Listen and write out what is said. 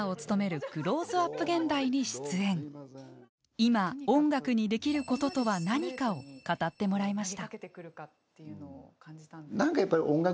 いま音楽にできることとは何かを語ってもらいました。